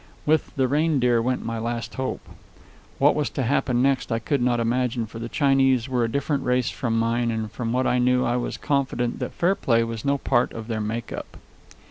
With the Reindeer went my last hope. What was to happen next I could not imagine, for the Chinese were a different race from mine and from what I knew I was confident that fair play was no part of their make up.